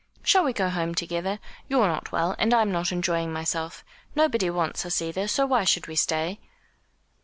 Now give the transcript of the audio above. "Shall we go home together? You're not well, and I'm not enjoying myself. Nobody wants us, either; so why should we stay?"